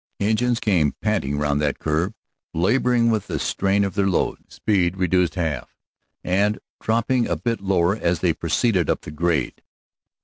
Engines came panting round that curve, laboring with the strain of their load, speed reduced half, and dropping a bit lower as they proceeded up the grade.